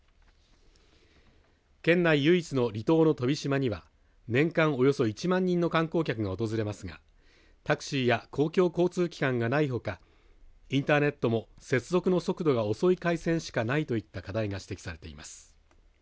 県内唯一の離島の飛島には年間およそ１万人の観光客が訪れますがタクシーや公共交通機関がないほかインターネットも接続の速度が遅い回線しかないといった課題が指摘されています。